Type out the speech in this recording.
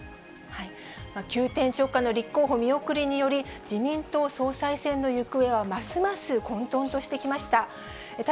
急転直下の立候補見送りにより、自民党総裁選の行方はますます混とんとしてきました。